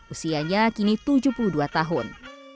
usianya kini tujuh puluh dua tahun